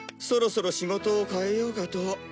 そろそろ仕事を変えようかと。